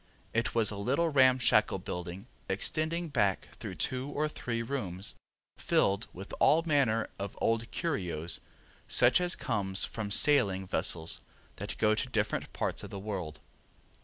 It was a little ramshackle building extending back through two or three rooms filled with all manner of old curios such as comes from sailing vessels that go to different parts of the world.